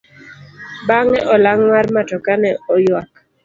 Bang'e olang' mar matoka ne oyuak.